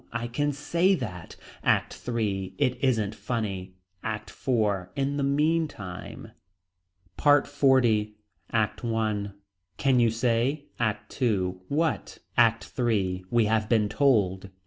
I can say that. ACT III. It isn't funny. ACT IV. In the meantime. PART XL. ACT I. Can you say. ACT II. What. ACT III. We have been told.